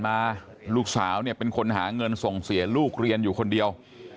มาลูกสาวเนี่ยเป็นคนหาเงินส่งเสียลูกเรียนอยู่คนเดียว